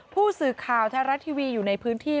ผู้สื่อข่าวไทยรัฐทีวีอยู่ในพื้นที่